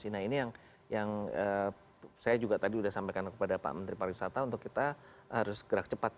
nah ini yang saya juga tadi sudah sampaikan kepada pak menteri pariwisata untuk kita harus gerak cepat